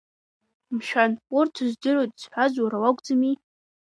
Мшәан, урҭ здыруеит зҳәаз уара уакәӡами?